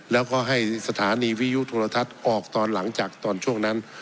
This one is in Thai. แล้วก็ให้สถานีวิยุโทรทัศน์ออกตอนหลังจากตอนช่วงนั้น